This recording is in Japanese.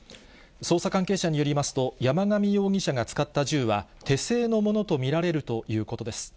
捜査関係者によりますと、山上容疑者が使った銃は、手製のものと見られるということです。